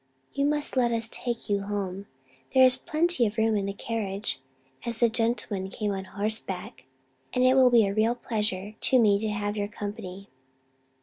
You must let us take you home. There is plenty of room in the carriage, as the gentlemen came on horseback; and it will be a real pleasure to me to have your company."